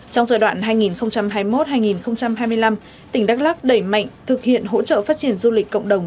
trong giai đoạn hai nghìn hai mươi một hai nghìn hai mươi năm tỉnh đắk lắc đẩy mạnh thực hiện hỗ trợ phát triển du lịch cộng đồng